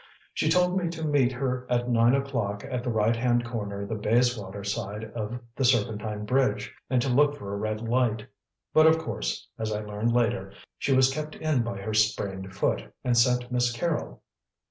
She told me to meet her at nine o'clock at the right hand corner of the Bayswater side of the Serpentine Bridge, and to look for a red light. But, of course, as I learned later, she was kept in by her sprained foot, and sent Miss Carrol."